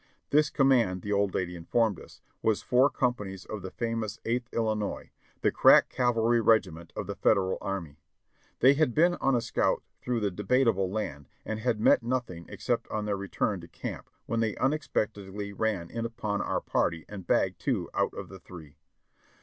This command, the old lady informed us, was four companies of the famous Eighth Illi nois, the crack cavalry regiment of the Federal Army. They had been on a scout through the "Debatable Land," and had met nothing except on their return to camp, when they unexpectedly ran in upon our party and bagged two out of the three.